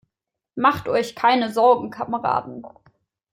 Macht euch keine Sorgen, Kameraden.